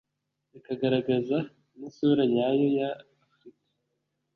bikagaragaza n’isura nyayo ya Afurika